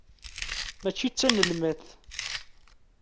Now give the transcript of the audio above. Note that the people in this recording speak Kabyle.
Mačči d tanelmadt.